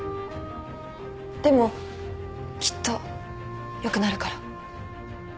でもきっと良くなるから。